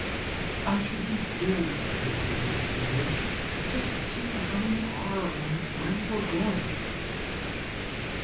I should be very glad to have a word from you, just to know how you are and where you are going.